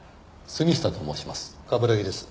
杉下と申します。